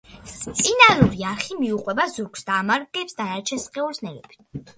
სპინალური არხი მიუყვება ზურგს და ამარაგებს დანარჩენ სხეულს ნერვებით.